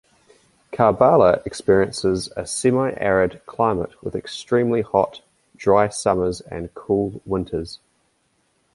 Karbala experiences a Semi-arid climate with extremely hot, dry summers and cool winters.